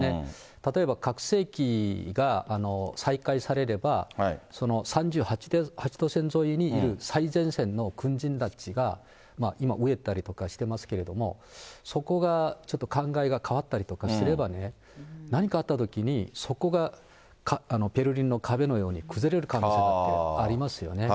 例えば拡声器が再開されれば、３８度線沿いにいる最前線の軍人たちが今、飢えたりとかしていますけれども、そこがちょっと考えが変わったりとかすればね、何かあったときにそこがベルリンの壁のように崩れる可能性だってありますよね。